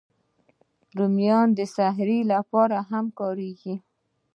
رومیان د سحري لپاره هم کارېږي